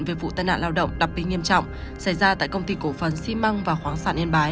về vụ tai nạn lao động đặc biệt nghiêm trọng xảy ra tại công ty cổ phần xi măng và khoáng sản yên bái